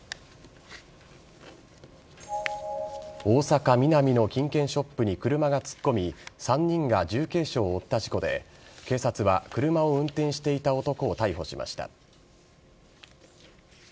大阪・ミナミの金券ショップに車が突っ込み３人が重軽傷を負った事故で警察は車を運転していた男を逮捕しました。